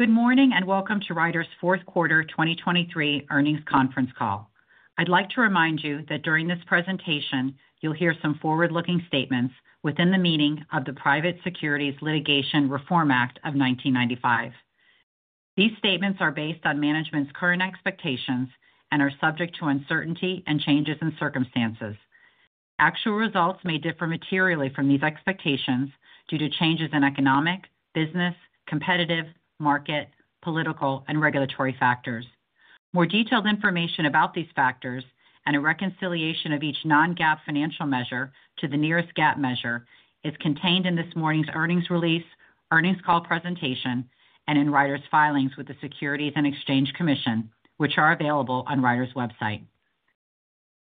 Good morning and welcome to Ryder's Q4 2023 Earnings Conference Call. I'd like to remind you that during this presentation you'll hear some forward-looking statements within the meaning of the Private Securities Litigation Reform Act of 1995. These statements are based on management's current expectations and are subject to uncertainty and changes in circumstances. Actual results may differ materially from these expectations due to changes in economic, business, competitive, market, political, and regulatory factors. More detailed information about these factors and a reconciliation of each non-GAAP financial measure to the nearest GAAP measure is contained in this morning's earnings release, earnings call presentation, and in Ryder's filings with the Securities and Exchange Commission, which are available on Ryder's website.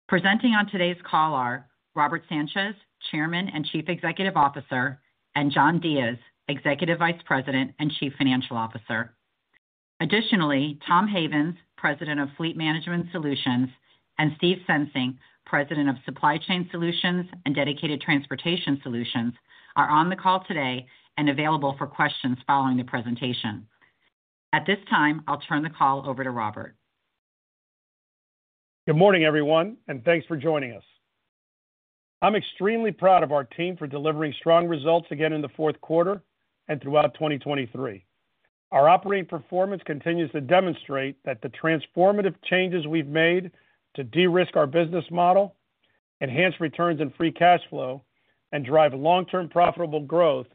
Presenting on today's call are Robert Sanchez, Chairman and Chief Executive Officer, and John Diez, Executive Vice President and Chief Financial Officer. Additionally, Tom Havens, President of Fleet Management Solutions, and Steve Sensing, President of Supply Chain Solutions and Dedicated Transportation Solutions, are on the call today and available for questions following the presentation. At this time, I'll turn the call over to Robert. Good morning, everyone, and thanks for joining us. I'm extremely proud of our team for delivering strong results again in the Q4 and throughout 2023. Our operating performance continues to demonstrate that the transformative changes we've made to de-risk our business model, enhance returns and free cash flow, and drive long-term profitable growth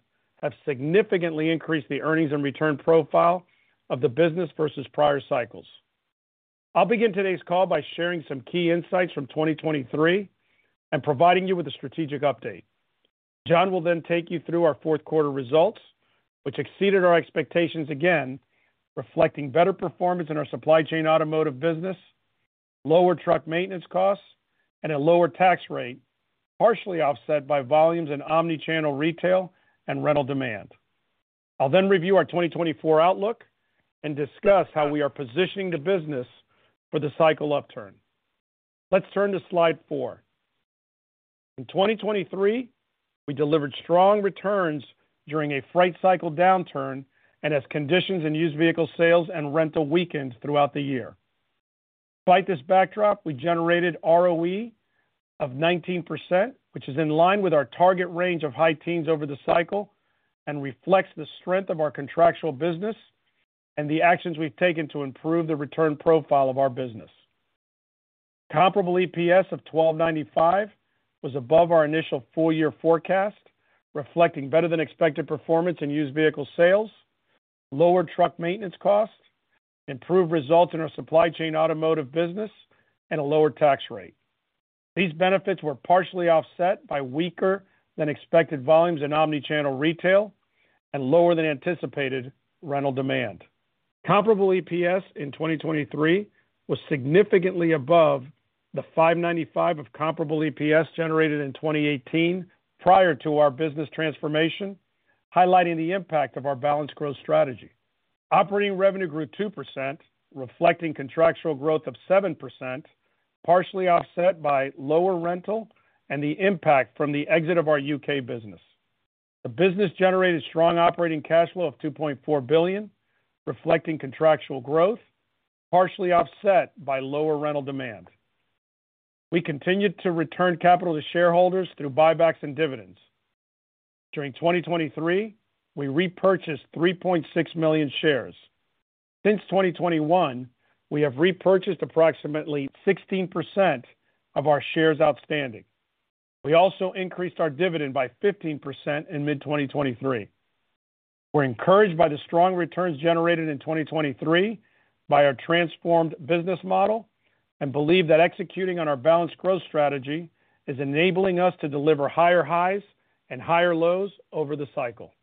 have significantly increased the earnings and return profile of the business versus prior cycles. I'll begin today's call by sharing some key insights from 2023 and providing you with a strategic update. John will then take you through our Q4 results, which exceeded our expectations again, reflecting better performance in our supply chain automotive business, lower truck maintenance costs, and a lower tax rate, partially offset by volumes in omnichannel retail and rental demand. I'll then review our 2024 outlook and discuss how we are positioning the business for the cycle upturn. Let's turn to slide four. In 2023, we delivered strong returns during a freight cycle downturn and as conditions in used vehicle sales and rental weakened throughout the year. Despite this backdrop, we generated ROE of 19%, which is in line with our target range of high teens over the cycle and reflects the strength of our contractual business and the actions we've taken to improve the return profile of our business. Comparable EPS of $12.95 was above our initial four-year forecast, reflecting better than expected performance in used vehicle sales, lower truck maintenance costs, improved results in our supply chain automotive business, and a lower tax rate. These benefits were partially offset by weaker than expected volumes in omnichannel retail and lower than anticipated rental demand. Comparable EPS in 2023 was significantly above the $5.95 of comparable EPS generated in 2018 prior to our business transformation, highlighting the impact of our balanced growth strategy. Operating revenue grew 2%, reflecting contractual growth of 7%, partially offset by lower rental and the impact from the exit of our U.K. business. The business generated strong operating cash flow of $2.4 billion, reflecting contractual growth, partially offset by lower rental demand. We continued to return capital to shareholders through buybacks and dividends. During 2023, we repurchased 3.6 million shares. Since 2021, we have repurchased approximately 16% of our shares outstanding. We also increased our dividend by 15% in mid-2023. We're encouraged by the strong returns generated in 2023 by our transformed business model and believe that executing on our balanced growth strategy is enabling us to deliver higher highs and higher lows over the cycle.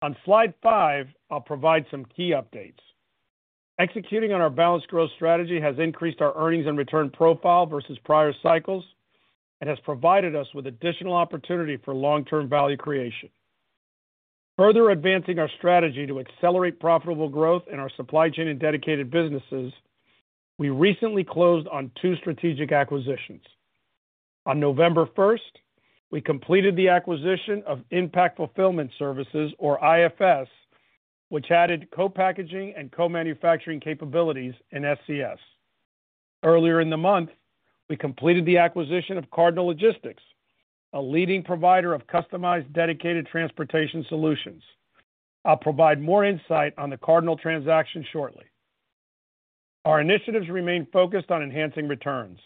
On slide five, I'll provide some key updates. Executing on our balanced growth strategy has increased our earnings and return profile versus prior cycles and has provided us with additional opportunity for long-term value creation. Further advancing our strategy to accelerate profitable growth in our supply chain and dedicated businesses, we recently closed on two strategic acquisitions. On November 1st, we completed the acquisition of Impact Fulfillment Services, or IFS, which added co-packaging and co-manufacturing capabilities in SCS. Earlier in the month, we completed the acquisition of Cardinal Logistics, a leading provider of customized dedicated transportation solutions. I'll provide more insight on the Cardinal transaction shortly. Our initiatives remain focused on enhancing returns.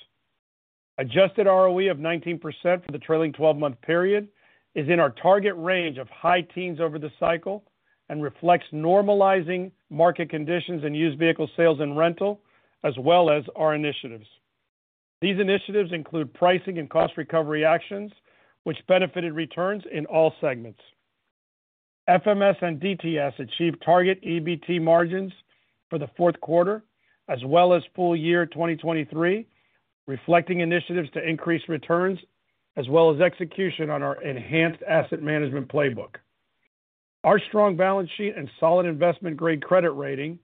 Adjusted ROE of 19% for the trailing 12-month period is in our target range of high teens over the cycle and reflects normalizing market conditions in used vehicle sales and rental, as well as our initiatives. These initiatives include pricing and cost recovery actions, which benefited returns in all segments. FMS and DTS achieved target EBT margins for the Q4, as well as Full Year 2023, reflecting initiatives to increase returns as well as execution on our enhanced asset management playbook. Our strong balance sheet and solid investment-grade credit rating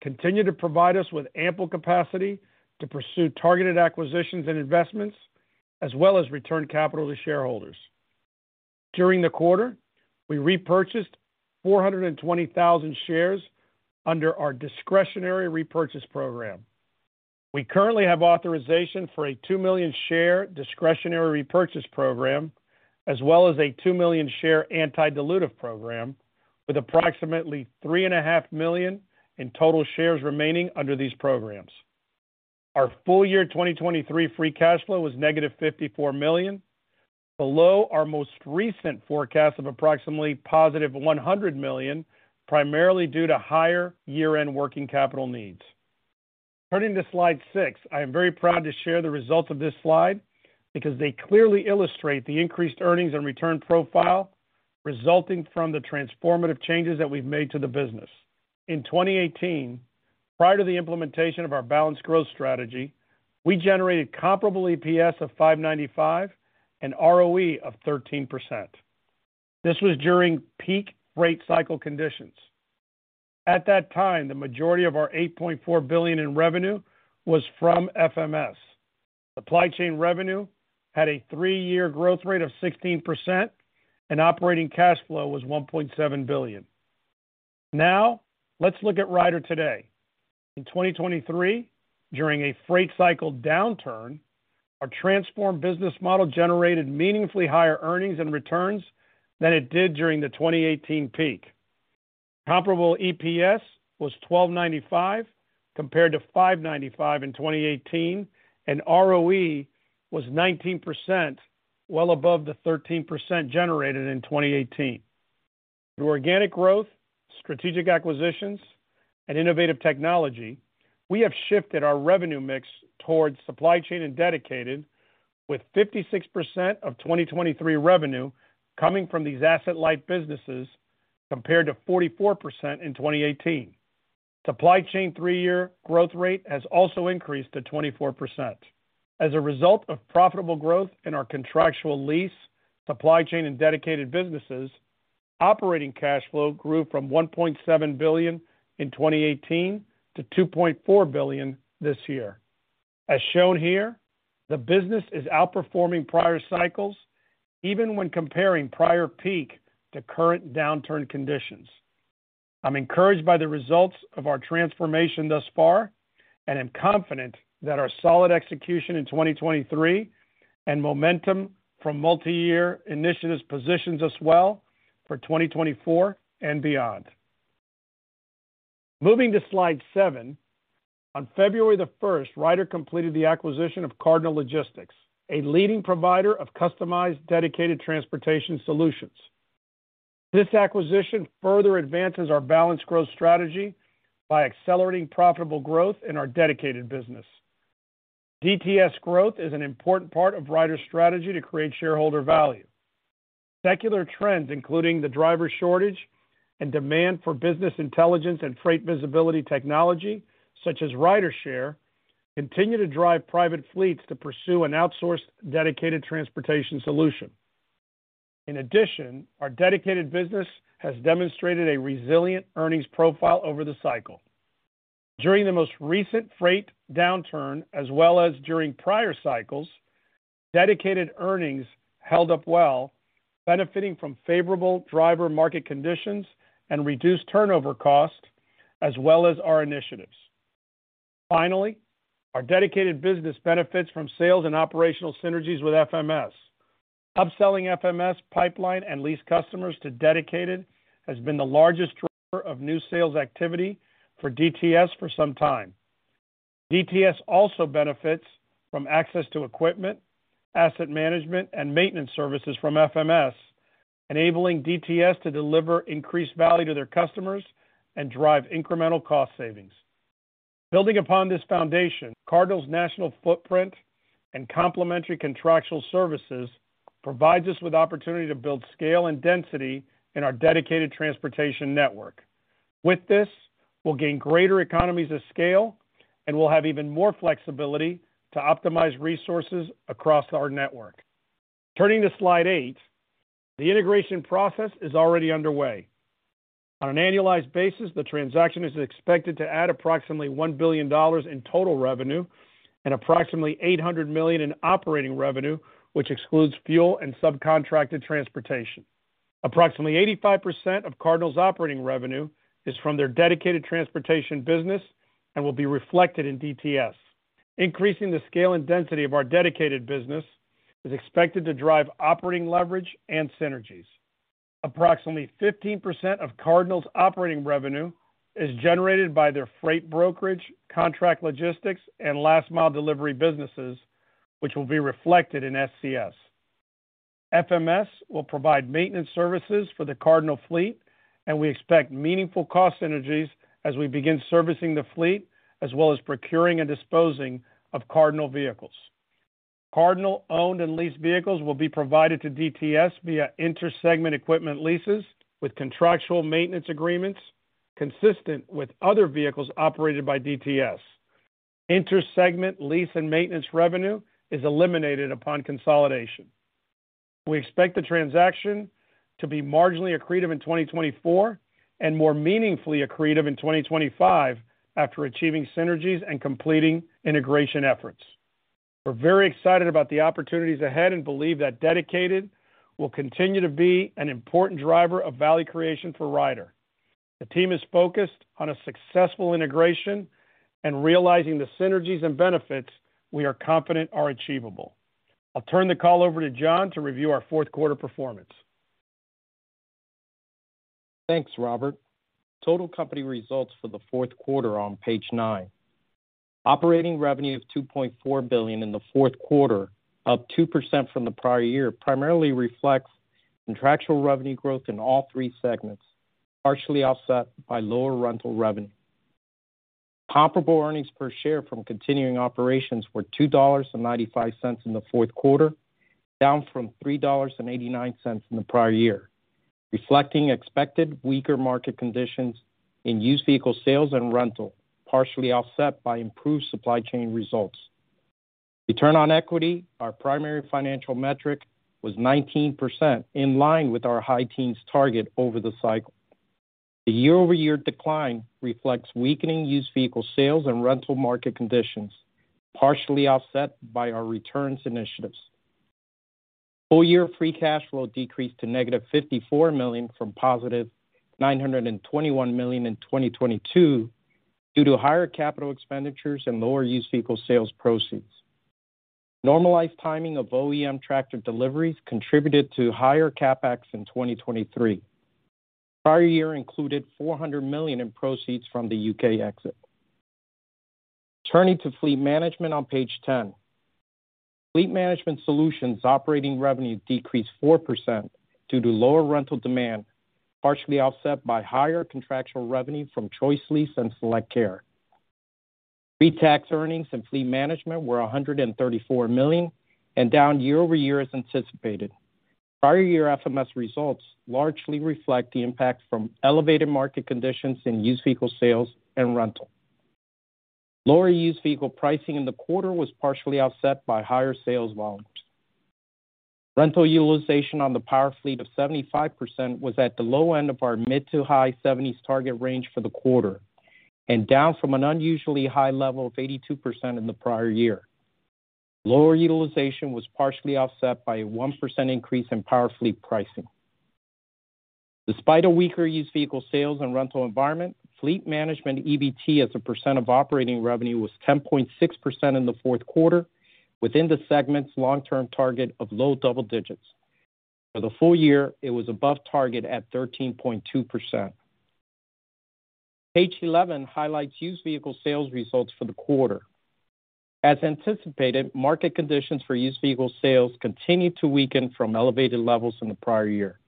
continue to provide us with ample capacity to pursue targeted acquisitions and investments, as well as return capital to shareholders. During the quarter, we repurchased 420,000 shares under our discretionary repurchase program. We currently have authorization for a 2 million share discretionary repurchase program, as well as a 2 million share anti-dilutive program, with approximately 3.5 million in total shares remaining under these programs. Our Full Year 2023 free cash flow was -$54 million, below our most recent forecast of approximately $100 million, primarily due to higher year-end working capital needs. Turning to slide seven, I am very proud to share the results of this slide because they clearly illustrate the increased earnings and return profile resulting from the transformative changes that we've made to the business. In 2018, prior to the implementation of our balanced growth strategy, we generated Comparable EPS of $5.95 and ROE of 13%. This was during peak freight cycle conditions. At that time, the majority of our $8.4 billion in revenue was from FMS. Supply chain revenue had a three-year growth rate of 16%, and operating cash flow was $1.7 billion. Now, let's look at Ryder today. In 2023, during a freight cycle downturn, our transformed business model generated meaningfully higher earnings and returns than it did during the 2018 peak. Comparable EPS was $12.95 compared to $5.95 in 2018, and ROE was 19%, well above the 13% generated in 2018. Through organic growth, strategic acquisitions, and innovative technology, we have shifted our revenue mix towards supply chain and dedicated, with 56% of 2023 revenue coming from these asset-like businesses compared to 44% in 2018. Supply chain three-year growth rate has also increased to 24%. As a result of profitable growth in our contractual lease, supply chain, and dedicated businesses, operating cash flow grew from $1.7 billion in 2018 to $2.4 billion this year. As shown here, the business is outperforming prior cycles even when comparing prior peak to current downturn conditions. I'm encouraged by the results of our transformation thus far and am confident that our solid execution in 2023 and momentum from multi-year initiatives positions us well for 2024 and beyond. Moving to slide seven, on February 1st, Ryder completed the acquisition of Cardinal Logistics, a leading provider of customized dedicated transportation solutions. This acquisition further advances our balanced growth strategy by accelerating profitable growth in our dedicated business. DTS growth is an important part of Ryder's strategy to create shareholder value. Secular trends, including the driver shortage and demand for business intelligence and freight visibility technology such as RyderShare, continue to drive private fleets to pursue an outsourced dedicated transportation solution. In addition, our dedicated business has demonstrated a resilient earnings profile over the cycle. During the most recent freight downturn, as well as during prior cycles, dedicated earnings held up well, benefiting from favorable driver market conditions and reduced turnover cost, as well as our initiatives. Finally, our dedicated business benefits from sales and operational synergies with FMS. Upselling FMS pipeline and leased customers to dedicated has been the largest driver of new sales activity for DTS for some time. DTS also benefits from access to equipment, asset management, and maintenance services from FMS, enabling DTS to deliver increased value to their customers and drive incremental cost savings. Building upon this foundation, Cardinal's national footprint and complementary contractual services provide us with the opportunity to build scale and density in our dedicated transportation network. With this, we'll gain greater economies of scale, and we'll have even more flexibility to optimize resources across our network. Turning to slide eight, the integration process is already underway. On an annualized basis, the transaction is expected to add approximately $1 billion in total revenue and approximately $800 million in operating revenue, which excludes fuel and subcontracted transportation. Approximately 85% of Cardinal's operating revenue is from their dedicated transportation business and will be reflected in DTS. Increasing the scale and density of our dedicated business is expected to drive operating leverage and synergies. Approximately 15% of Cardinal's operating revenue is generated by their freight brokerage, contract logistics, and last-mile delivery businesses, which will be reflected in SCS. FMS will provide maintenance services for the Cardinal fleet, and we expect meaningful cost synergies as we begin servicing the fleet, as well as procuring and disposing of Cardinal vehicles. Cardinal-owned and leased vehicles will be provided to DTS via intersegment equipment leases with contractual maintenance agreements consistent with other vehicles operated by DTS. Intersegment lease and maintenance revenue is eliminated upon consolidation. We expect the transaction to be marginally accretive in 2024 and more meaningfully accretive in 2025 after achieving synergies and completing integration efforts. We're very excited about the opportunities ahead and believe that dedicated will continue to be an important driver of value creation for Ryder. The team is focused on a successful integration and realizing the synergies and benefits we are confident are achievable. I'll turn the call over to John to review our Q4 performance. Thanks, Robert. Total company results for the Q4 on page nine. Operating revenue of $2.4 billion in the Q4, up 2% from the prior year, primarily reflects contractual revenue growth in all three segments, partially offset by lower rental revenue. Comparable earnings per share from continuing operations were $2.95 in the Q4, down from $3.89 in the prior year, reflecting expected weaker market conditions in used vehicle sales and rental, partially offset by improved supply chain results. Return on equity, our primary financial metric, was 19%, in line with our high teens target over the cycle. The year-over-year decline reflects weakening used vehicle sales and rental market conditions, partially offset by our returns initiatives. Full-Year free cash flow decreased to negative $54 million from positive $921 million in 2022 due to higher capital expenditures and lower used vehicle sales proceeds. Normalized timing of OEM tractor deliveries contributed to higher CapEx in 2023. Prior year included $400 million in proceeds from the UK exit. Turning to fleet management on page 10. Fleet Management Solutions' operating revenue decreased 4% due to lower rental demand, partially offset by higher contractual revenue from ChoiceLease and SelectCare. Pre-tax earnings in Fleet Management were $134 million and down year-over-year as anticipated. Prior year FMS results largely reflect the impact from elevated market conditions in used vehicle sales and rental. Lower used vehicle pricing in the quarter was partially offset by higher sales volumes. Rental utilization on the Power Fleet of 75% was at the low end of our mid-to-high 70s target range for the quarter and down from an unusually high level of 82% in the prior year. Lower utilization was partially offset by a 1% increase in Power Fleet pricing. Despite a weaker used vehicle sales and rental environment, fleet management EBT as a percent of operating revenue was 10.6% in the Q4, within the segment's long-term target of low double digits. For the Full Year, it was above target at 13.2%. Page 11 highlights used vehicle sales results for the quarter. As anticipated, market conditions for used vehicle sales continue to weaken from elevated levels in the prior year.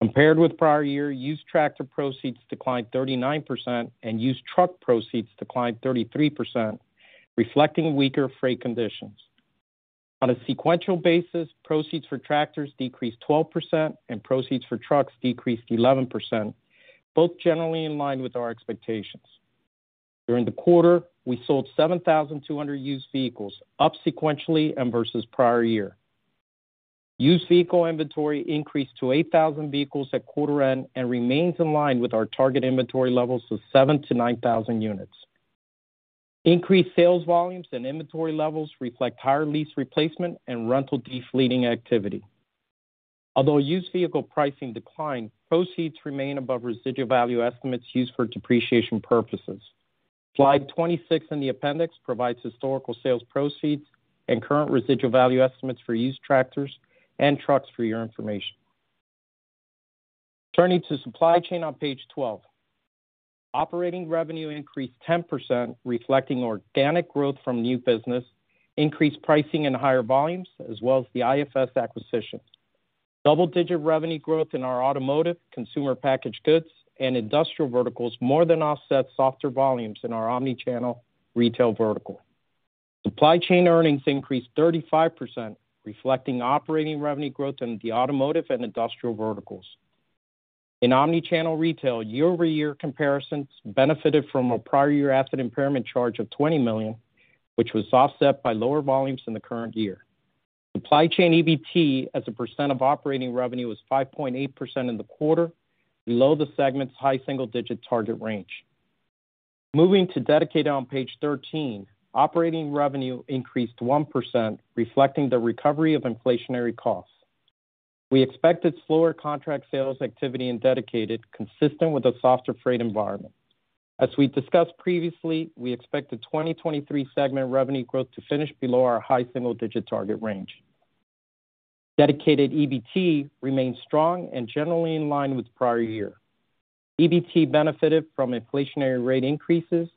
Compared with prior year, used tractor proceeds declined 39% and used truck proceeds declined 33%, reflecting weaker freight conditions. On a sequential basis, proceeds for tractors decreased 12% and proceeds for trucks decreased 11%, both generally in line with our expectations. During the quarter, we sold 7,200 used vehicles, up sequentially and versus prior year. Used vehicle inventory increased to 8,000 vehicles at quarter end and remains in line with our target inventory levels of 7,000-9,000 units. Increased sales volumes and inventory levels reflect higher lease replacement and rental defleeting activity. Although used vehicle pricing declined, proceeds remain above residual value estimates used for depreciation purposes. Slide 26 in the appendix provides historical sales proceeds and current residual value estimates for used tractors and trucks for your information. Turning to supply chain on page 12. Operating revenue increased 10%, reflecting organic growth from new business, increased pricing in higher volumes, as well as the IFS acquisition. Double-digit revenue growth in our automotive, consumer packaged goods, and industrial verticals more than offset softer volumes in our omnichannel retail vertical. Supply chain earnings increased 35%, reflecting operating revenue growth in the automotive and industrial verticals. In omnichannel retail, year-over-year comparisons benefited from a prior year asset impairment charge of $20 million, which was offset by lower volumes in the current year. Supply Chain EBT as a percent of operating revenue was 5.8% in the quarter, below the segment's high single-digit target range. Moving to dedicated on page 13, operating revenue increased 1%, reflecting the recovery of inflationary costs. We expected slower contract sales activity in dedicated, consistent with a softer freight environment. As we discussed previously, we expected 2023 segment revenue growth to finish below our high single-digit target range. Dedicated EBT remains strong and generally in line with prior year. EBT benefited from inflationary rate increases,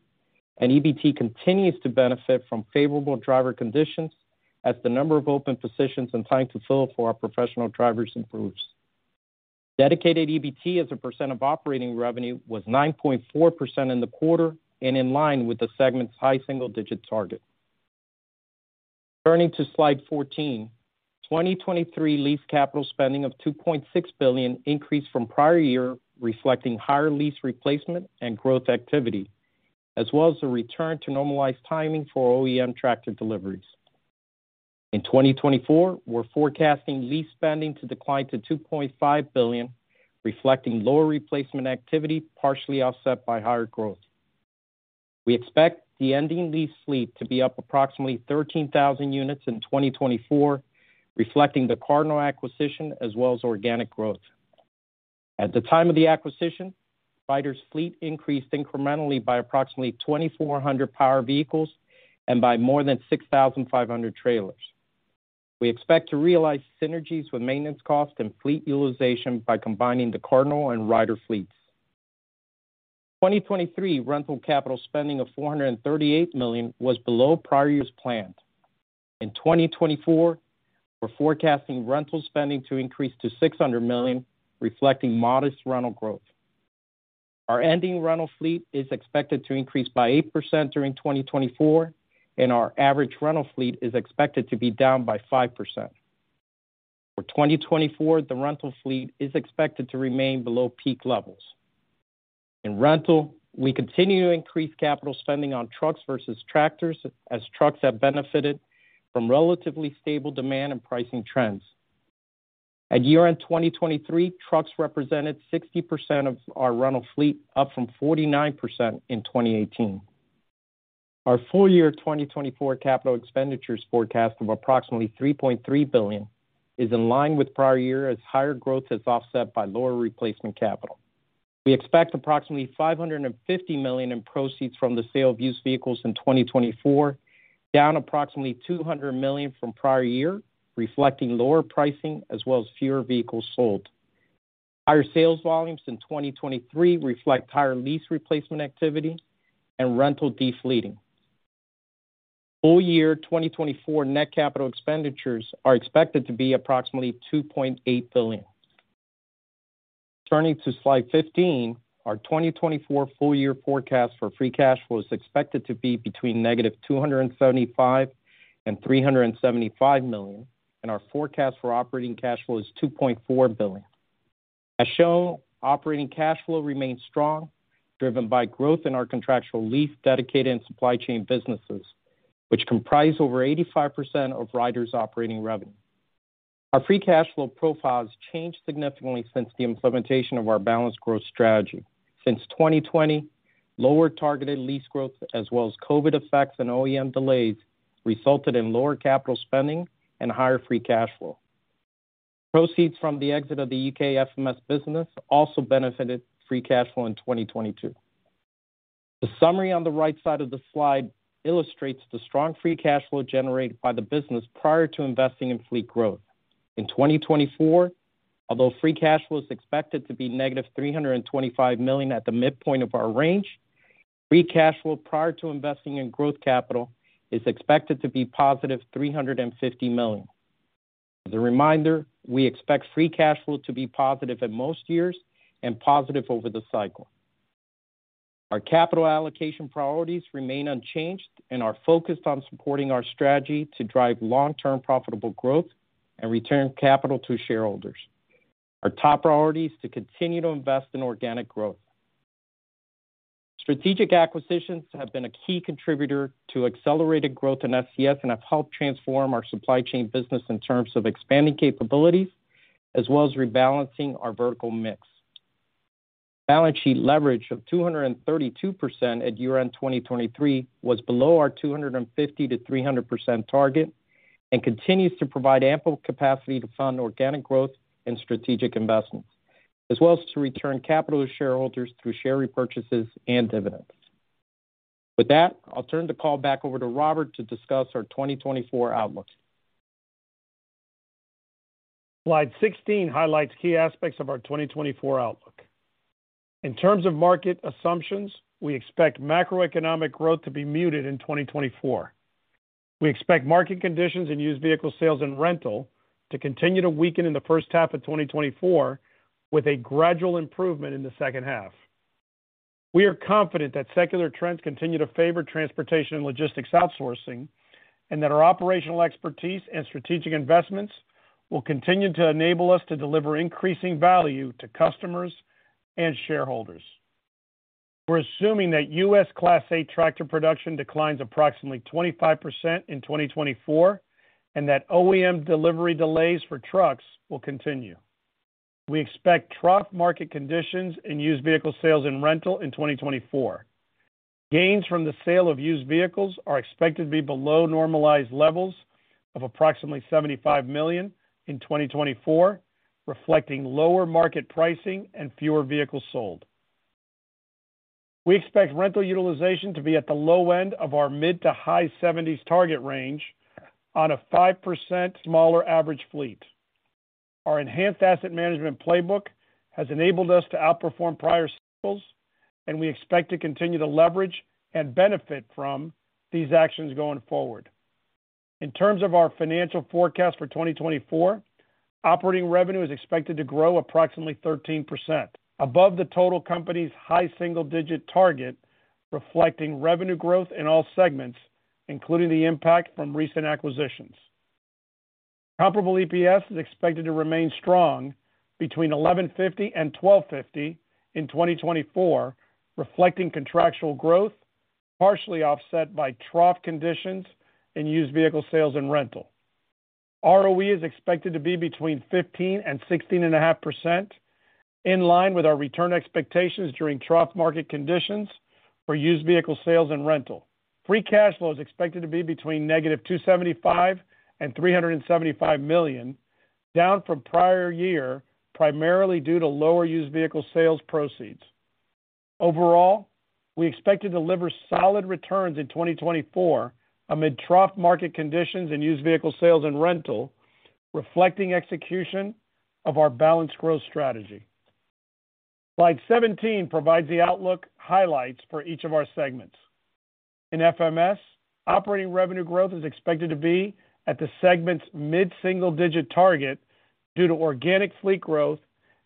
and EBT continues to benefit from favorable driver conditions as the number of open positions and time to fill for our professional drivers improves. Dedicated EBT as a percent of operating revenue was 9.4% in the quarter and in line with the segment's high single-digit target. Turning to slide 14. 2023 lease capital spending of $2.6 billion increased from prior year, reflecting higher lease replacement and growth activity, as well as a return to normalized timing for OEM tractor deliveries. In 2024, we're forecasting lease spending to decline to $2.5 billion, reflecting lower replacement activity, partially offset by higher growth. We expect the ending lease fleet to be up approximately 13,000 units in 2024, reflecting the Cardinal acquisition as well as organic growth. At the time of the acquisition, Ryder's fleet increased incrementally by approximately 2,400 power vehicles and by more than 6,500 trailers. We expect to realize synergies with maintenance cost and fleet utilization by combining the Cardinal and Ryder fleets. 2023 rental capital spending of $438 million was below prior year's planned. In 2024, we're forecasting rental spending to increase to $600 million, reflecting modest rental growth. Our ending rental fleet is expected to increase by 8% during 2024, and our average rental fleet is expected to be down by 5%. For 2024, the rental fleet is expected to remain below peak levels. In rental, we continue to increase capital spending on trucks versus tractors as trucks have benefited from relatively stable demand and pricing trends. At year-end 2023, trucks represented 60% of our rental fleet, up from 49% in 2018. Our full-year 2024 capital expenditures forecast of approximately $3.3 billion is in line with prior year as higher growth is offset by lower replacement capital. We expect approximately $550 million in proceeds from the sale of used vehicles in 2024, down approximately $200 million from prior year, reflecting lower pricing as well as fewer vehicles sold. Higher sales volumes in 2023 reflect higher lease replacement activity and rental defleeting. Full-Year 2024 net capital expenditures are expected to be approximately $2.8 billion. Turning to slide 15. Our 2024 full-Year forecast for free cash flow is expected to be between -$275 million and $375 million, and our forecast for operating cash flow is $2.4 billion. As shown, operating cash flow remains strong, driven by growth in our contractual lease, dedicated, and supply chain businesses, which comprise over 85% of Ryder's operating revenue. Our free cash flow profiles changed significantly since the implementation of our balanced growth strategy. Since 2020, lower targeted lease growth, as well as COVID effects and OEM delays, resulted in lower capital spending and higher free cash flow. Proceeds from the exit of the U.K. FMS business also benefited free cash flow in 2022. The summary on the right side of the slide illustrates the strong free cash flow generated by the business prior to investing in fleet growth. In 2024, although free cash flow is expected to be -$325 million at the midpoint of our range, free cash flow prior to investing in growth capital is expected to be +$350 million. As a reminder, we expect free cash flow to be positive in most years and positive over the cycle. Our capital allocation priorities remain unchanged and are focused on supporting our strategy to drive long-term profitable growth and return capital to shareholders. Our top priority is to continue to invest in organic growth. Strategic acquisitions have been a key contributor to accelerated growth in SCS and have helped transform our supply chain business in terms of expanding capabilities as well as rebalancing our vertical mix. Balance sheet leverage of 232% at year-end 2023 was below our 250%-300% target and continues to provide ample capacity to fund organic growth and strategic investments, as well as to return capital to shareholders through share repurchases and dividends. With that, I'll turn the call back over to Robert to discuss our 2024 outlook. Slide 16 highlights key aspects of our 2024 outlook. In terms of market assumptions, we expect macroeconomic growth to be muted in 2024. We expect market conditions in used vehicle sales and rental to continue to weaken in the H1 of 2024 with a gradual improvement in the H2. We are confident that secular trends continue to favor transportation and logistics outsourcing and that our operational expertise and strategic investments will continue to enable us to deliver increasing value to customers and shareholders. We're assuming that U.S. Class 8 tractor production declines approximately 25% in 2024 and that OEM delivery delays for trucks will continue. We expect trough market conditions in used vehicle sales and rental in 2024. Gains from the sale of used vehicles are expected to be below normalized levels of approximately $75 million in 2024, reflecting lower market pricing and fewer vehicles sold. We expect rental utilization to be at the low end of our mid- to high-70s target range on a 5% smaller average fleet. Our enhanced asset management playbook has enabled us to outperform prior cycles, and we expect to continue to leverage and benefit from these actions going forward. In terms of our financial forecast for 2024, operating revenue is expected to grow approximately 13% above the total company's high single-digit target, reflecting revenue growth in all segments, including the impact from recent acquisitions. Comparable EPS is expected to remain strong between $11.50 and $12.50 in 2024, reflecting contractual growth partially offset by trough conditions in used vehicle sales and rental. ROE is expected to be between 15% and 16.5%, in line with our return expectations during trough market conditions for used vehicle sales and rental. Free cash flow is expected to be between -$275 million and $375 million, down from prior year primarily due to lower used vehicle sales proceeds. Overall, we expect to deliver solid returns in 2024 amid trough market conditions in used vehicle sales and rental, reflecting execution of our balanced growth strategy. Slide 17 provides the outlook highlights for each of our segments. In FMS, operating revenue growth is expected to be at the segment's mid single-digit target due to organic fleet growth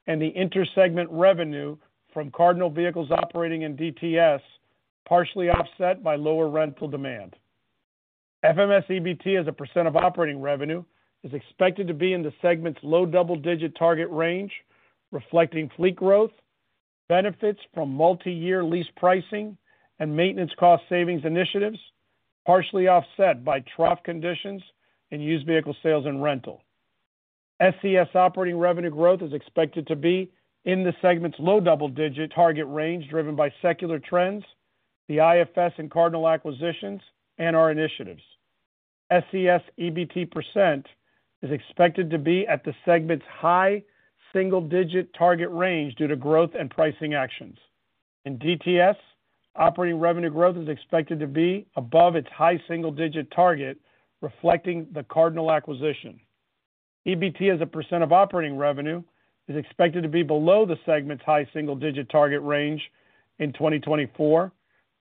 and the intersegment revenue from Cardinal vehicles operating in DTS, partially offset by lower rental demand. FMS EBT as a % of operating revenue is expected to be in the segment's low double-digit target range, reflecting fleet growth, benefits from multi-year lease pricing, and maintenance cost savings initiatives, partially offset by trough conditions in used vehicle sales and rental. SCS operating revenue growth is expected to be in the segment's low double-digit target range, driven by secular trends, the IFS and Cardinal acquisitions, and our initiatives. SCS EBT % is expected to be at the segment's high single-digit target range due to growth and pricing actions. In DTS, operating revenue growth is expected to be above its high single-digit target, reflecting the Cardinal acquisition. EBT as a % of operating revenue is expected to be below the segment's high single-digit target range in 2024,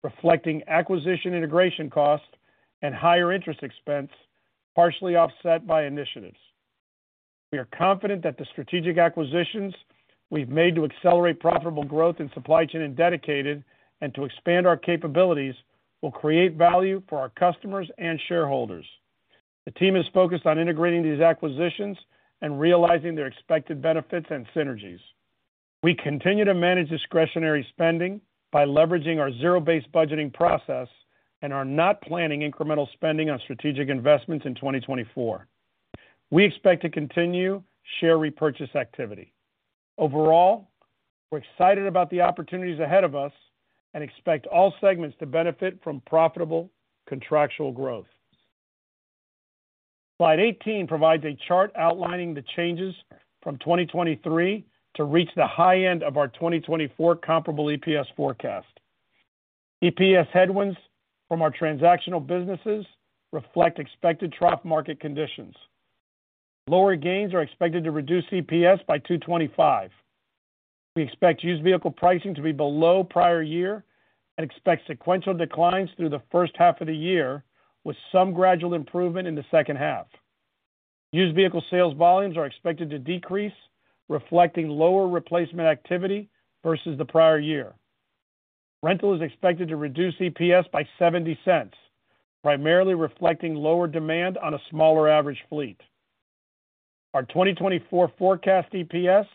reflecting acquisition integration cost and higher interest expense, partially offset by initiatives. We are confident that the strategic acquisitions we've made to accelerate profitable growth in supply chain and dedicated and to expand our capabilities will create value for our customers and shareholders. The team is focused on integrating these acquisitions and realizing their expected benefits and synergies. We continue to manage discretionary spending by leveraging our Zero-Based Budgeting process and are not planning incremental spending on strategic investments in 2024. We expect to continue share repurchase activity. Overall, we're excited about the opportunities ahead of us and expect all segments to benefit from profitable contractual growth. Slide 18 provides a chart outlining the changes from 2023 to reach the high end of our 2024 Comparable EPS forecast. EPS headwinds from our transactional businesses reflect expected trough market conditions. Lower gains are expected to reduce EPS by $2.25. We expect used vehicle pricing to be below prior year and expect sequential declines through the H1 of the year, with some gradual improvement in the H2. Used vehicle sales volumes are expected to decrease, reflecting lower replacement activity versus the prior year. Rental is expected to reduce EPS by $0.70, primarily reflecting lower demand on a smaller average fleet. Our 2024 forecast EPS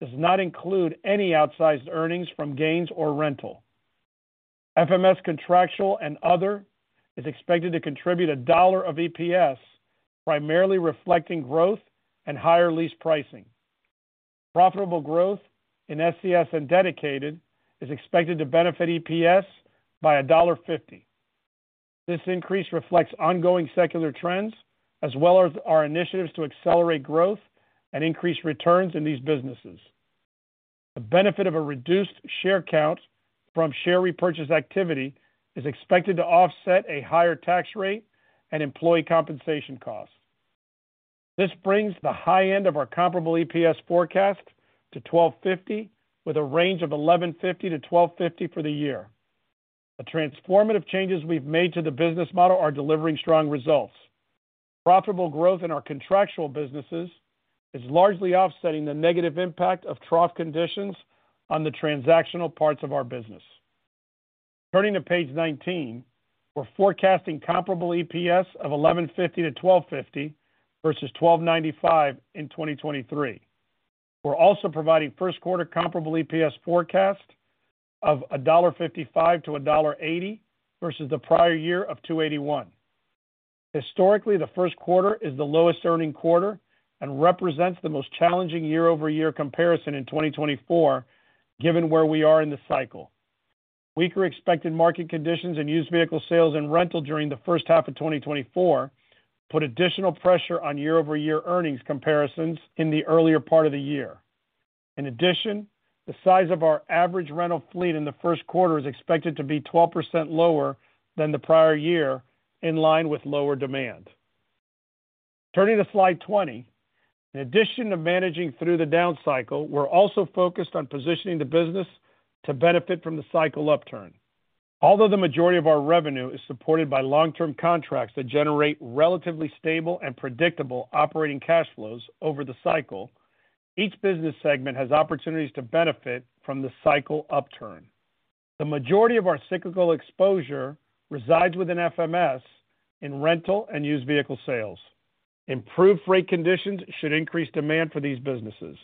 does not include any outsized earnings from gains or rental. FMS contractual and other is expected to contribute $1 of EPS, primarily reflecting growth and higher lease pricing. Profitable growth in SCS and dedicated is expected to benefit EPS by $1.50. This increase reflects ongoing secular trends, as well as our initiatives to accelerate growth and increase returns in these businesses. The benefit of a reduced share count from share repurchase activity is expected to offset a higher tax rate and employee compensation costs. This brings the high end of our comparable EPS forecast to $12.50, with a range of $11.50-$12.50 for the year. The transformative changes we've made to the business model are delivering strong results. Profitable growth in our contractual businesses is largely offsetting the negative impact of trough conditions on the transactional parts of our business. Turning to page 19, we're forecasting comparable EPS of $11.50-$12.50 versus $12.95 in 2023. We're also providing Q1 comparable EPS forecast of $0.55-$0.80 versus the prior year of $2.81. Historically, the Q1 is the lowest earning quarter and represents the most challenging year-over-year comparison in 2024, given where we are in the cycle. Weaker expected market conditions in used vehicle sales and rental during the H1 of 2024 put additional pressure on year-over-year earnings comparisons in the earlier part of the year. In addition, the size of our average rental fleet in the Q1 is expected to be 12% lower than the prior year, in line with lower demand. Turning to slide 20. In addition to managing through the down cycle, we're also focused on positioning the business to benefit from the cycle upturn. Although the majority of our revenue is supported by long-term contracts that generate relatively stable and predictable operating cash flows over the cycle, each business segment has opportunities to benefit from the cycle upturn. The majority of our cyclical exposure resides within FMS in rental and used vehicle sales. Improved freight conditions should increase demand for these businesses.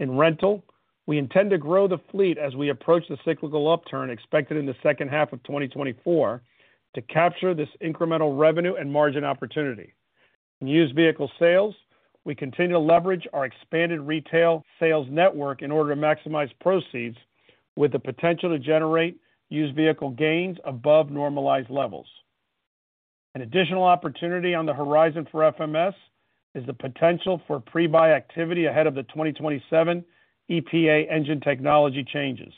In rental, we intend to grow the fleet as we approach the cyclical upturn expected in the H2 of 2024 to capture this incremental revenue and margin opportunity. In used vehicle sales, we continue to leverage our expanded retail sales network in order to maximize proceeds, with the potential to generate used vehicle gains above normalized levels. An additional opportunity on the horizon for FMS is the potential for pre-buy activity ahead of the 2027 EPA engine technology changes.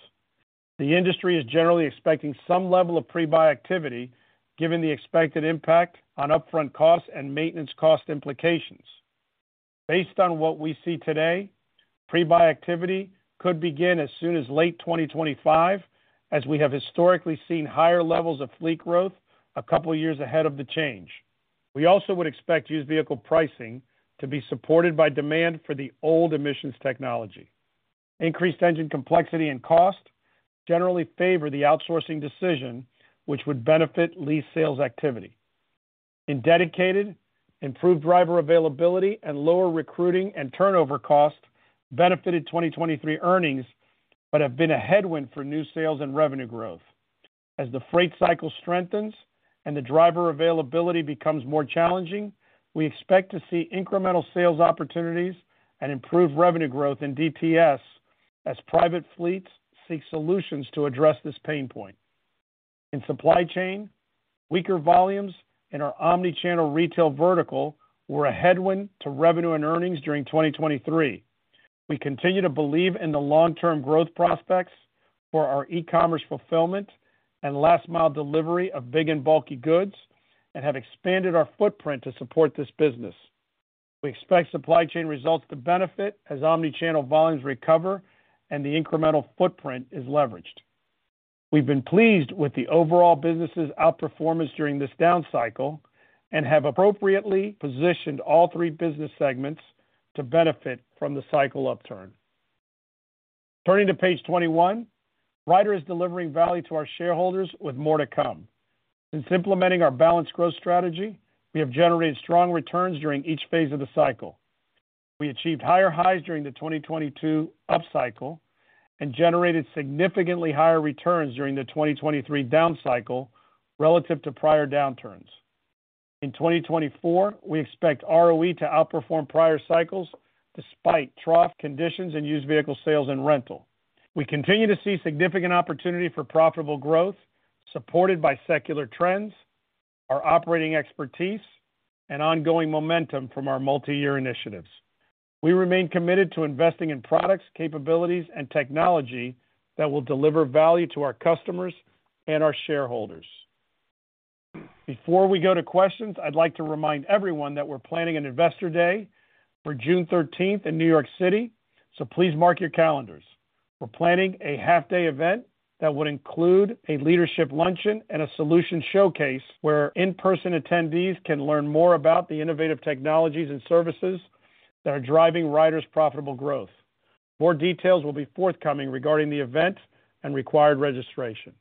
The industry is generally expecting some level of pre-buy activity, given the expected impact on upfront costs and maintenance cost implications. Based on what we see today, pre-buy activity could begin as soon as late 2025, as we have historically seen higher levels of fleet growth a couple of years ahead of the change. We also would expect used vehicle pricing to be supported by demand for the old emissions technology. Increased engine complexity and cost generally favor the outsourcing decision, which would benefit lease sales activity. In dedicated, improved driver availability and lower recruiting and turnover costs benefited 2023 earnings but have been a headwind for new sales and revenue growth. As the freight cycle strengthens and the driver availability becomes more challenging, we expect to see incremental sales opportunities and improved revenue growth in DTS as private fleets seek solutions to address this pain point. In Supply Chain, weaker volumes in our omnichannel retail vertical were a headwind to revenue and earnings during 2023. We continue to believe in the long-term growth prospects for our e-commerce fulfillment and last-mile delivery of big and bulky goods and have expanded our footprint to support this business. We expect Supply Chain results to benefit as omnichannel volumes recover and the incremental footprint is leveraged. We've been pleased with the overall business's outperformance during this down cycle and have appropriately positioned all three business segments to benefit from the cycle upturn. Turning to page 21. Ryder is delivering value to our shareholders with more to come. Since implementing our balanced growth strategy, we have generated strong returns during each phase of the cycle. We achieved higher highs during the 2022 up cycle and generated significantly higher returns during the 2023 down cycle relative to prior downturns. In 2024, we expect ROE to outperform prior cycles despite trough conditions in used vehicle sales and rental. We continue to see significant opportunity for profitable growth supported by secular trends, our operating expertise, and ongoing momentum from our multi-year initiatives. We remain committed to investing in products, capabilities, and technology that will deliver value to our customers and our shareholders. Before we go to questions, I'd like to remind everyone that we're planning an investor day for June 13 in New York City, so please mark your calendars. We're planning a half-day event that would include a leadership luncheon and a solution showcase where in-person attendees can learn more about the innovative technologies and services that are driving Ryder's profitable growth. More details will be forthcoming regarding the event and required registration.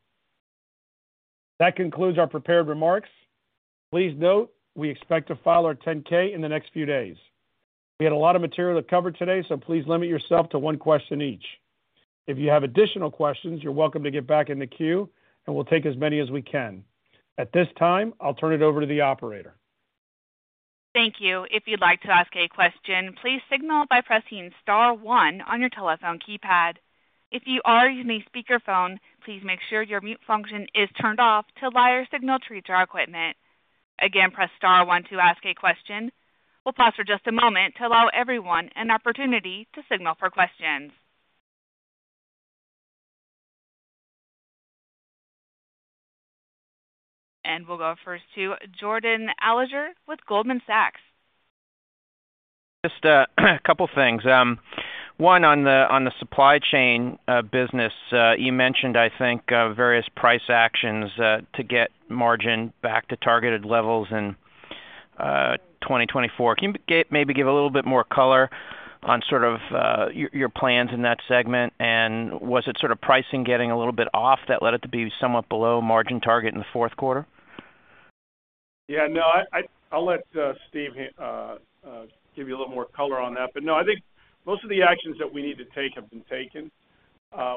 That concludes our prepared remarks. Please note we expect to file our 10-K in the next few days. We had a lot of material to cover today, so please limit yourself to one question each. If you have additional questions, you're welcome to get back in the queue, and we'll take as many as we can. At this time, I'll turn it over to the operator. Thank you. If you'd like to ask a question, please signal by pressing star one on your telephone keypad. If you are using a speakerphone, please make sure your mute function is turned off to allow our equipment to accurately pick up your response. Again, press star one to ask a question. We'll pause for just a moment to allow everyone an opportunity to signal for questions. We'll go first to Jordan Alliger with Goldman Sachs. Just a couple of things. One, on the supply chain business, you mentioned, I think, various price actions to get margin back to targeted levels in 2024. Can you maybe give a little bit more color on your plans in that segment? Was it pricing getting a little bit off that led it to be somewhat below margin target in the Q4? Yeah. No, I'll let Steve give you a little more color on that. But no, I think most of the actions that we need to take have been taken.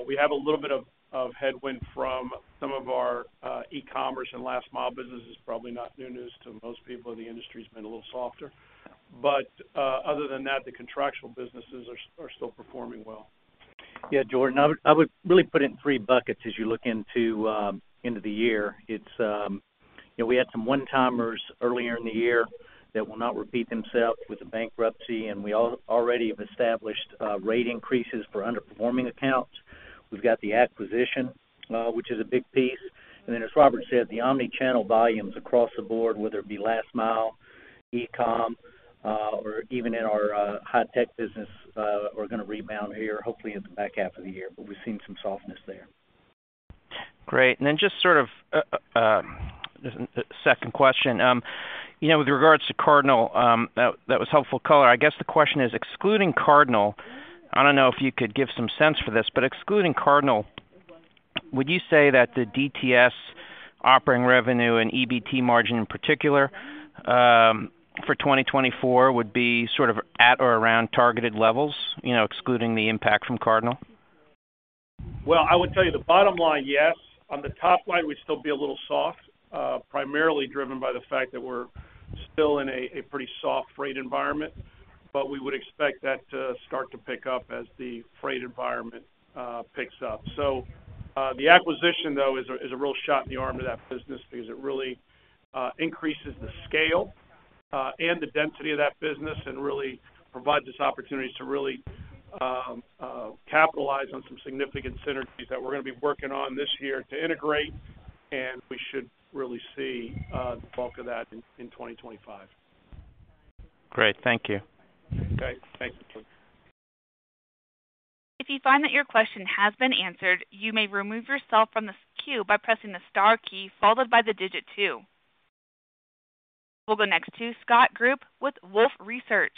We have a little bit of headwind from some of our e-commerce and last-mile businesses. Probably not new news to most people. The industry's been a little softer. But other than that, the contractual businesses are still performing well. Yeah, Jordan. I would really put it in three buckets as you look into the year. We had some one-timers earlier in the year that will not repeat themselves with the bankruptcy, and we already have established rate increases for underperforming accounts. We've got the acquisition, which is a big piece. And then, as Robert said, the omnichannel volumes across the board, whether it be last mile, e-com, or even in our high-tech business, are going to rebound here, hopefully at the back half of the year. But we've seen some softness there. Great. Then just second question. With regards to Cardinal, that was helpful color. I guess the question is, excluding Cardinal I don't know if you could give some sense for this, but excluding Cardinal, would you say that the DTS operating revenue and EBT margin in particular for 2024 would be at or around targeted levels, excluding the impact from Cardinal? Well, I would tell you the bottom line, yes. On the top line, we'd still be a little soft, primarily driven by the fact that we're still in a pretty soft freight environment. We would expect that to start to pick up as the freight environment picks up. So the acquisition, though, is a real shot in the arm to that business because it really increases the scale and the density of that business and really provides us opportunities to really capitalize on some significant synergies that we're going to be working on this year to integrate. We should really see the bulk of that in 2025. Great. Thank you. Okay. Thank you. If you find that your question has been answered, you may remove yourself from the queue by pressing the star key followed by the digit two. We'll go next to Scott Group with Wolfe Research.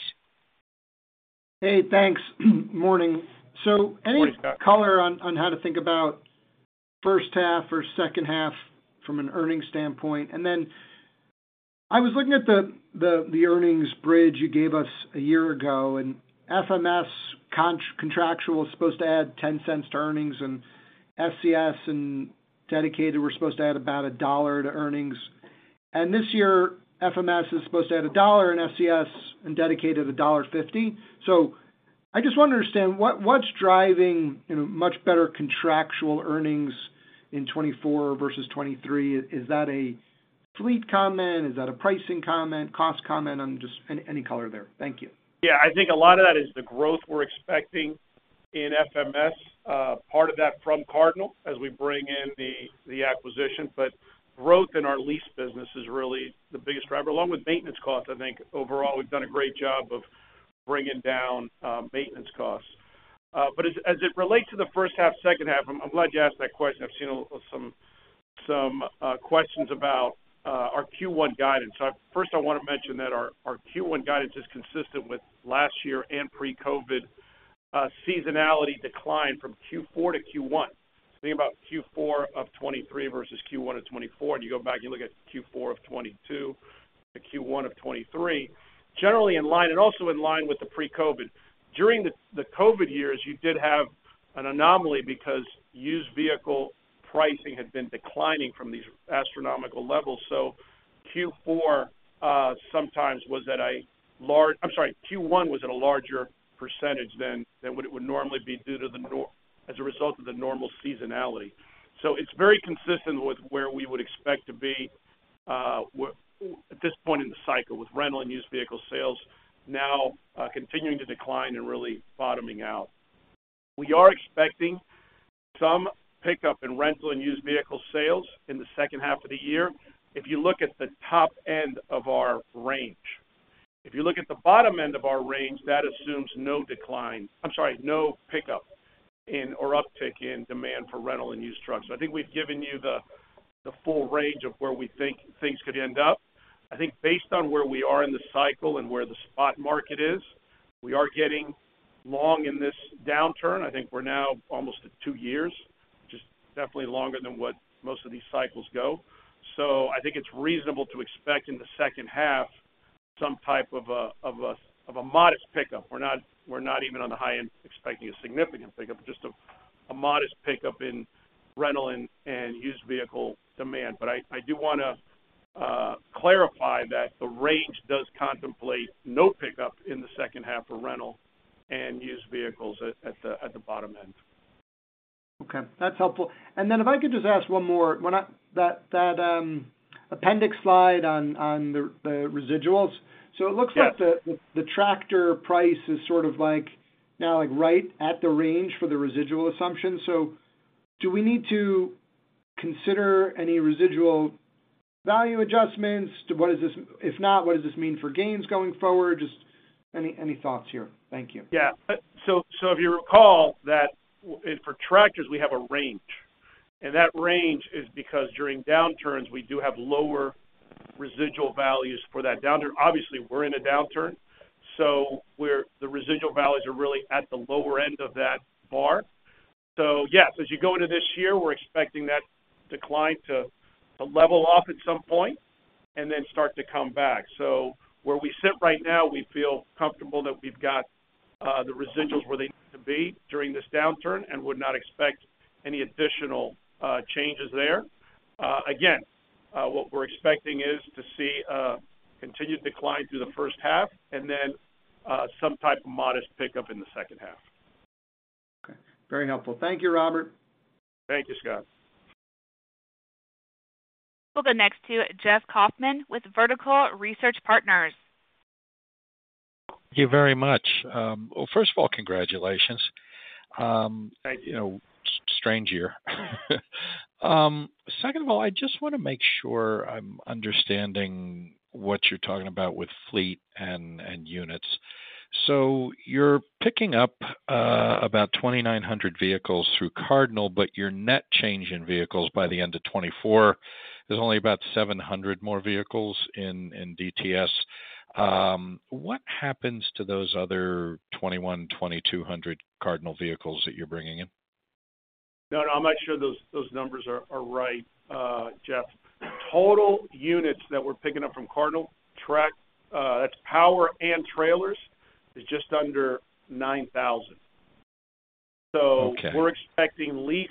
Hey. Thanks. Morning. So any color on how to think about H1 or H2 from an earnings standpoint? Then I was looking at the earnings bridge you gave us a year ago. FMS contractual is supposed to add $0.10 to earnings. And SCS and dedicated were supposed to add about $1 to earnings. This year, FMS is supposed to add $1, and SCS and dedicated $1.50. So I just want to understand, what's driving much better contractual earnings in 2024 versus 2023? Is that a fleet comment? Is that a pricing comment, cost comment? Any color there. Thank you. Yeah. I think a lot of that is the growth we're expecting in FMS, part of that from Cardinal as we bring in the acquisition. Growth in our lease business is really the biggest driver, along with maintenance costs, I think. Overall, we've done a great job of bringing down maintenance costs but as it relates to the H1, H2, I'm glad you asked that question. I've seen some questions about our Q1 guidance. So first, I want to mention that our Q1 guidance is consistent with last year and pre-COVID seasonality decline from Q4 to Q1. Think about Q4 of 2023 versus Q1 of 2024. And you go back and you look at Q4 of 2022 to Q1 of 2023, generally in line and also in line with the pre-COVID. During the COVID years, you did have an anomaly because used vehicle pricing had been declining from these astronomical levels. So Q4 sometimes was at a, I'm sorry, Q1 was at a larger percentage than what it would normally be due to the, as a result of, the normal seasonality. So it's very consistent with where we would expect to be at this point in the cycle, with rental and used vehicle sales now continuing to decline and really bottoming out. We are expecting some pickup in rental and used vehicle sales in the H2 of the year if you look at the top end of our range. If you look at the bottom end of our range, that assumes no decline, I'm sorry, no pickup or uptick in demand for rental and used trucks. So I think we've given you the full range of where we think things could end up. I think based on where we are in the cycle and where the spot market is, we are getting long in this downturn. I think we're now almost at two years, just definitely longer than what most of these cycles go. So I think it's reasonable to expect in the H2 some type of a modest pickup. We're not even on the high end expecting a significant pickup, just a modest pickup in rental and used vehicle demand. I do want to clarify that the range does contemplate no pickup in the H2 for rental and used vehicles at the bottom end. Okay. That's helpful. Then if I could just ask one more that appendix slide on the residuals. So it looks like the tractor price is now right at the range for the residual assumption. So do we need to consider any residual value adjustments? If not, what does this mean for gains going forward? Just any thoughts here. Thank you. Yeah. So if you recall, for tractors, we have a range. That range is because during downturns, we do have lower residual values for that downturn. Obviously, we're in a downturn, so the residual values are really at the lower end of that bar. So yes, as you go into this year, we're expecting that decline to level off at some point and then start to come back. So where we sit right now, we feel comfortable that we've got the residuals where they need to be during this downturn and would not expect any additional changes there. Again, what we're expecting is to see a continued decline through the H1 and then some type of modest pickup in the H2. Okay. Very helpful. Thank you, Robert. Thank you, Scott. We'll go next to Jeff Kauffman with Vertical Research Partners. Thank you very much. Well, first of all, congratulations. Strange year. Second of all, I just want to make sure I'm understanding what you're talking about with fleet and units. So you're picking up about 2,900 vehicles through Cardinal, but your net change in vehicles by the end of 2024 is only about 700 more vehicles in DTS. What happens to those other 2,100, 2,200 Cardinal vehicles that you're bringing in? No, no. I'm not sure those numbers are right, Jeff. Total units that we're picking up from Cardinal, that's power and trailers, is just under 9,000. So we're expecting lease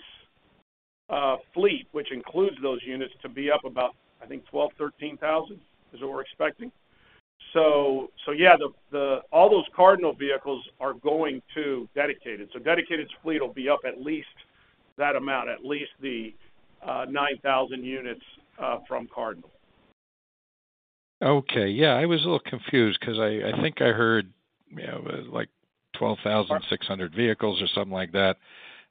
fleet, which includes those units, to be up about, I think, 12,000, 13,000 is what we're expecting. So yeah, all those Cardinal vehicles are going to dedicated. So dedicated's fleet will be up at least that amount, at least the 9,000 units from Cardinal. Okay. Yeah. I was a little confused because I think I heard 12,600 vehicles or something like that,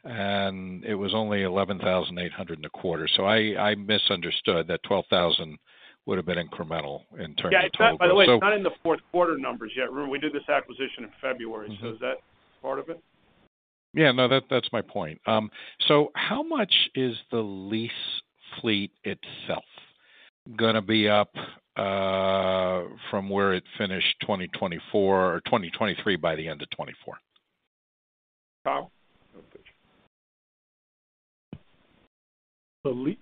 and it was only 11,800 and a quarter. So I misunderstood that 12,000 would have been incremental in terms of total vehicles. Yeah. By the way, it's not in the Q4 numbers yet. We did this acquisition in February. So is that part of it? Yeah. No, that's my point. So how much is the lease fleet itself going to be up from where it finished 2024 or 2023 by the end of 2024? How?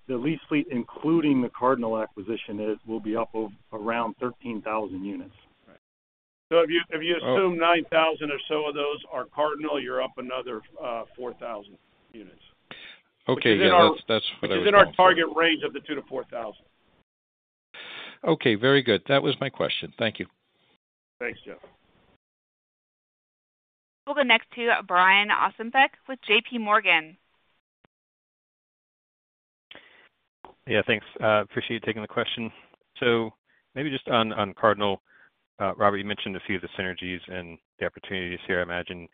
The lease fleet, including the Cardinal acquisition, will be up around 13,000 units. So if you assume 9,000 or so of those are Cardinal, you're up another 4,000 units. Okay. Yeah. That's what I was saying. Within our target range of the 2,000-4,000. Okay. Very good. That was my question. Thank you. Thanks, Jeff. We'll go next to Brian Ossenbeck with J.P. Morgan. Yeah. Thanks. Appreciate you taking the question. So maybe just on Cardinal, Robert, you mentioned a few of the synergies and the opportunities here, I imagine,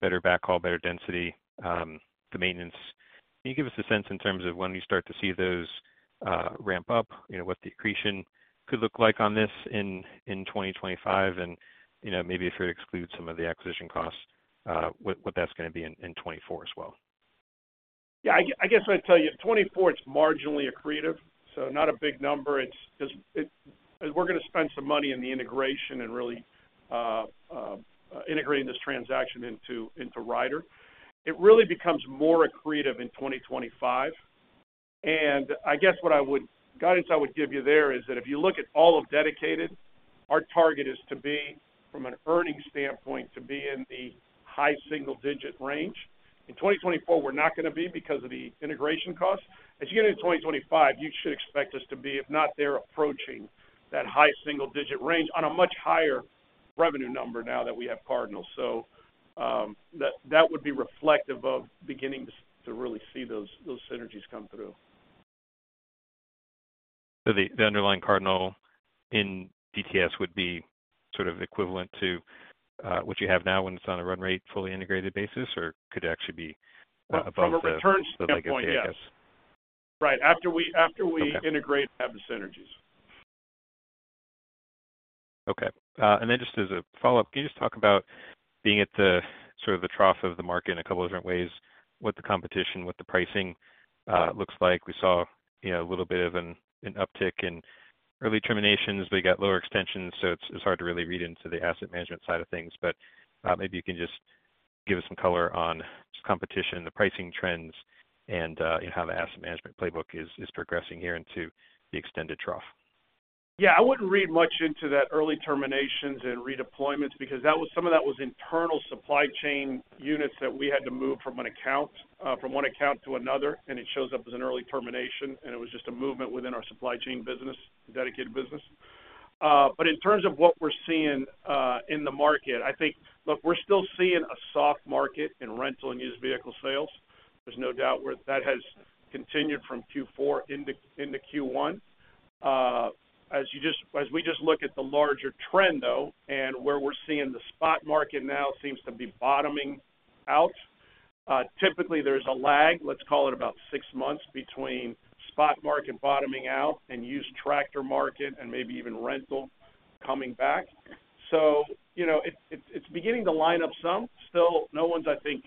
better backhaul, better density, the maintenance. Can you give us a sense in terms of when you start to see those ramp up, what the accretion could look like on this in 2025? Maybe if you were to exclude some of the acquisition costs, what that's going to be in 2024 as well. Yeah. I guess what I'd tell you, 2024, it's marginally accretive, so not a big number. As we're going to spend some money in the integration and really integrating this transaction into Ryder, it really becomes more accretive in 2025. I guess what guidance I would give you there is that if you look at all of dedicated, our target is to be, from an earnings standpoint, to be in the high single-digit range. In 2024, we're not going to be because of the integration costs. As you get into 2025, you should expect us to be, if not there, approaching that high single-digit range on a much higher revenue number now that we have Cardinal. So that would be reflective of beginning to really see those synergies come through. So the underlying Cardinal in DTS would be equivalent to what you have now when it's on a run-rate fully integrated basis, or could it actually be above the legacy point, I guess? From a return standpoint, yeah. Right. After we integrate, we have the synergies. Okay. And then just as a follow-up, can you just talk about being at the trough of the market in a couple of different ways, what the competition, what the pricing looks like? We saw a little bit of an uptick in early terminations, but you got lower extensions, so it's hard to really read into the asset management side of things. Maybe you can just give us some color on just competition, the pricing trends, and how the asset management playbook is progressing here into the extended trough. Yeah. I wouldn't read much into that early terminations and redeployments because some of that was internal supply chain units that we had to move from one account to another, and it shows up as an early termination. It was just a movement within our supply chain business, dedicated business. But in terms of what we're seeing in the market, I think, look, we're still seeing a soft market in rental and used vehicle sales. There's no doubt that has continued from Q4 into Q1. As we just look at the larger trend, though, and where we're seeing the spot market now seems to be bottoming out, typically, there's a lag, let's call it about six months, between spot market bottoming out and used tractor market and maybe even rental coming back. So it's beginning to line up some. Still, no one's, I think,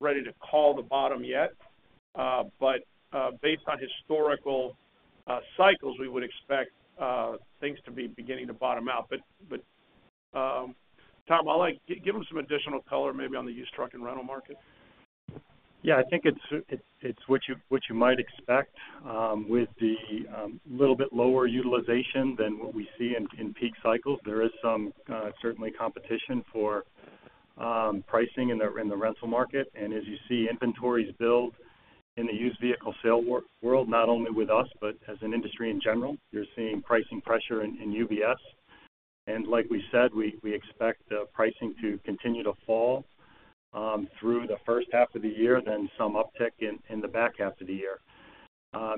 ready to call the bottom yet. Based on historical cycles, we would expect things to be beginning to bottom out but Tom, give them some additional color maybe on the used truck and rental market. Yeah. I think it's what you might expect. With the little bit lower utilization than what we see in peak cycles, there is certainly competition for pricing in the rental market. And as you see inventories build in the used vehicle sale world, not only with us but as an industry in general, you're seeing pricing pressure in used. Like we said, we expect pricing to continue to fall through the H1 of the year, then some uptick in the back half of the year.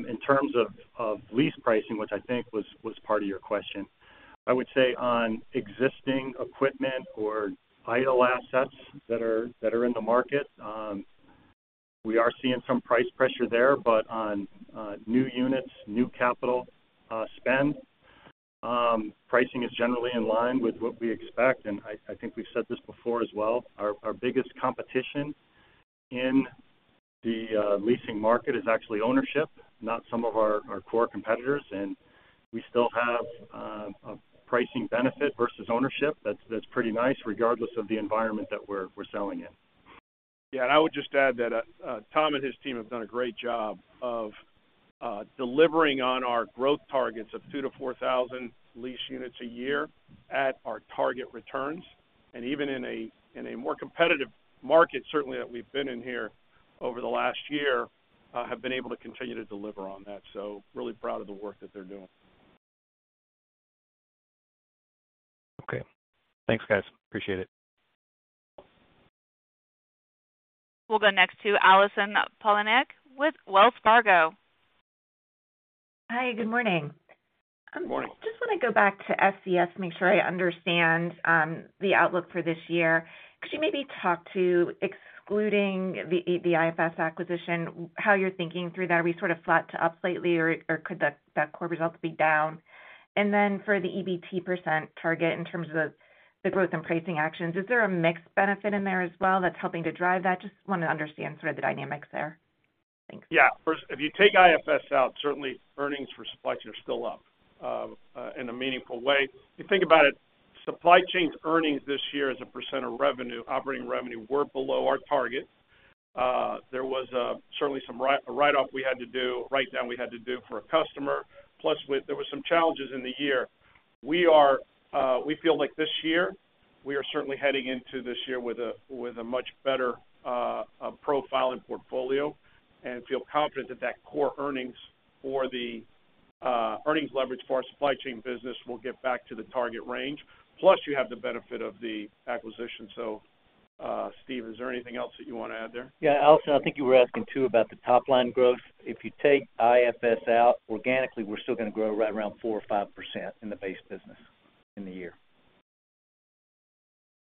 In terms of lease pricing, which I think was part of your question, I would say on existing equipment or idle assets that are in the market, we are seeing some price pressure there. On new units, new capital spend, pricing is generally in line with what we expect. I think we've said this before as well. Our biggest competition in the leasing market is actually ownership, not some of our core competitors. We still have a pricing benefit versus ownership that's pretty nice regardless of the environment that we're selling in. Yeah. And I would just add that Tom and his team have done a great job of delivering on our growth targets of 2,000-4,000 lease units a year at our target returns. And even in a more competitive market, certainly, that we've been in here over the last year, have been able to continue to deliver on that. So really proud of the work that they're doing. Okay. Thanks, guys. Appreciate it. We'll go next to Allison Poliniak with Wells Fargo. Hi. Good morning. Good morning. I just want to go back to SCS, make sure I understand the outlook for this year. Could you maybe talk to, excluding the IFS acquisition, how you're thinking through that? Are we flat to up lately, or could that core result be down? Then for the EBT percent target in terms of the growth and pricing actions, is there a mixed benefit in there as well that's helping to drive that? Just want to understand the dynamics there. Thanks. Yeah. If you take IFS out, certainly, earnings for supply chain are still up in a meaningful way. If you think about it, supply chain's earnings this year as a percent of operating revenue were below our target. There was certainly some write-off we had to do, write-down we had to do for a customer. Plus, there were some challenges in the year. We feel like this year, we are certainly heading into this year with a much better profile and portfolio and feel confident that that core earnings leverage for our supply chain business will get back to the target range. Plus, you have the benefit of the acquisition. So, Steve, is there anything else that you want to add there? Yeah. Allison, I think you were asking too about the top-line growth. If you take IFS out, organically, we're still going to grow right around 4%-5% in the base business in the year.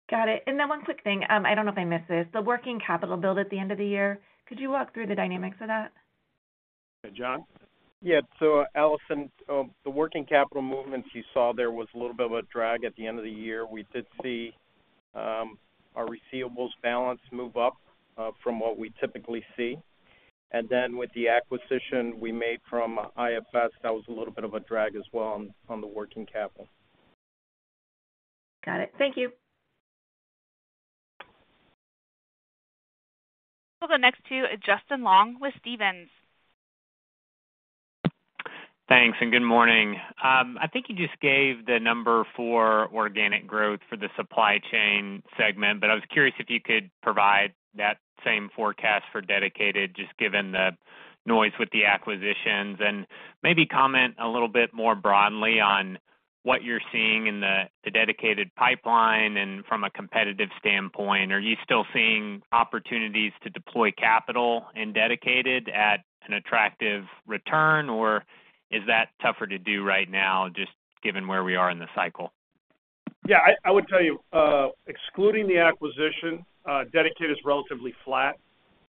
Got it. Then one quick thing. I don't know if I missed this. The working capital build at the end of the year, could you walk through the dynamics of that? Okay. John? Yeah. So, Allison, the working capital movements you saw there was a little bit of a drag at the end of the year. We did see our receivables balance move up from what we typically see. Then with the acquisition we made from IFS, that was a little bit of a drag as well on the working capital. Got it. Thank you. We'll go next to Justin Long with Stephens. Thanks, and good morning. I think you just gave the number for organic growth for the supply chain segment, but I was curious if you could provide that same forecast for dedicated, just given the noise with the acquisitions, and maybe comment a little bit more broadly on what you're seeing in the dedicated pipeline and from a competitive standpoint. Are you still seeing opportunities to deploy capital in dedicated at an attractive return, or is that tougher to do right now just given where we are in the cycle? Yeah. I would tell you, excluding the acquisition, dedicated is relatively flat.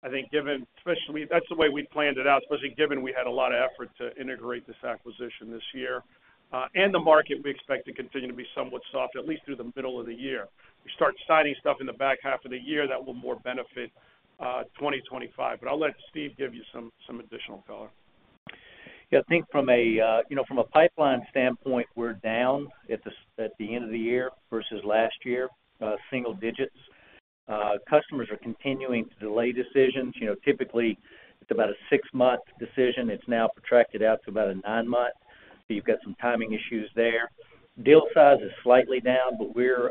I think that's the way we planned it out, especially given we had a lot of effort to integrate this acquisition this year. The market, we expect to continue to be somewhat soft, at least through the middle of the year. If you start signing stuff in the back half of the year, that will more benefit 2025 but I'll let Steve give you some additional color. Yeah. I think from a pipeline standpoint, we're down at the end of the year versus last year, single digits. Customers are continuing to delay decisions. Typically, it's about a 6-month decision. It's now protracted out to about a 9-month. So you've got some timing issues there. Deal size is slightly down, but we're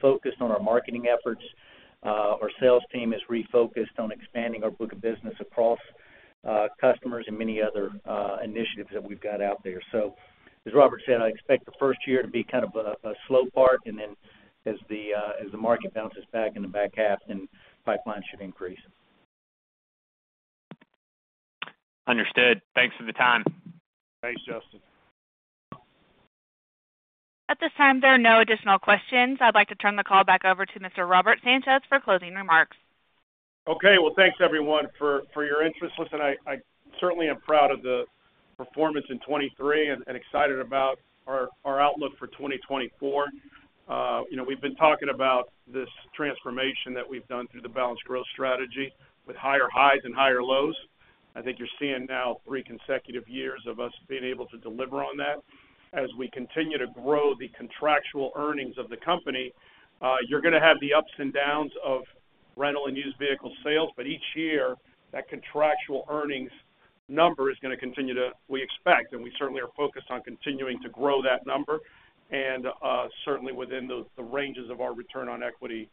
focused on our marketing efforts. Our sales team is refocused on expanding our book of business across customers and many other initiatives that we've got out there. So, as Robert said, I expect the first year to be a slow part. Then as the market bounces back in the back half, then pipeline should increase. Understood. Thanks for the time. Thanks, Justin. At this time, there are no additional questions. I'd like to turn the call back over to Mr. Robert Sanchez for closing remarks. Okay. Well, thanks, everyone, for your interest. Listen, I certainly am proud of the performance in 2023 and excited about our outlook for 2024. We've been talking about this transformation that we've done through the balanced growth strategy with higher highs and higher lows. I think you're seeing now 3 consecutive years of us being able to deliver on that. As we continue to grow the contractual earnings of the company, you're going to have the ups and downs of rental and used vehicle sales. Each year, that contractual earnings number is going to continue to, we expect. And we certainly are focused on continuing to grow that number, and certainly within the ranges of our return on equity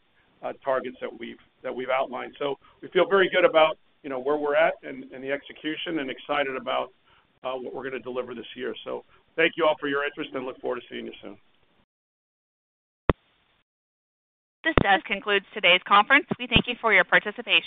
targets that we've outlined. So we feel very good about where we're at and the execution and excited about what we're going to deliver this year. So thank you all for your interest, and look forward to seeing you soon. This concludes today's conference. We thank you for your participation.